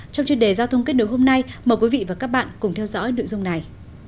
trong chuyên đề giao thông kết nối hôm nay mời quý vị và các bạn cùng theo dõi nội dung này